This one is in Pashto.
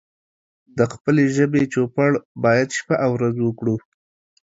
د خپلې ژبې چوپړ بايد شپه او ورځ وکړو